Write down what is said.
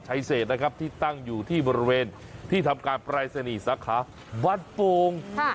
เศษนะครับที่ตั้งอยู่ที่บริเวณที่ทำการปรายศนีย์สาขาบ้านโป่ง